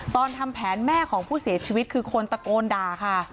ตอนทำแผนแม่ของผู้เสียชีวิตคือคนตะโกนด่าค่ะ